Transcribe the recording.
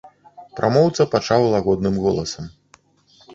Прамоўца пачаў лагодным голасам.